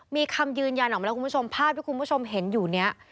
มีคำยืนยันออกมาแล้วคุณผู้ชมภาพที่คุณผู้ชมเห็นอยู่เนี่ย